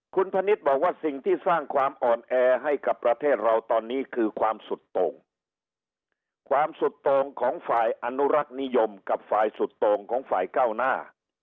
คุณพนิษฐ์บอกว่าสิ่งที่สร้างความอ่อนแอให้กับประเทศเราตอนนี้คือความสุดโต่งความสุดโป่งของฝ่ายอนุรักษ์นิยมกับฝ่ายสุดโต่งของฝ่ายเก้าหน้า